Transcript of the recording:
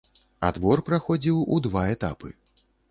Адбор праходзіў у два этапы.